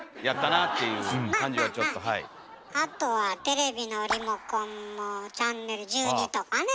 あとはテレビのリモコンもチャンネル１２とかね。